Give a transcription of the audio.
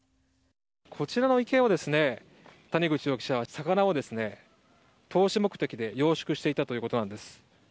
こちらの池で谷口容疑者は魚を投資目的で養殖していたということです。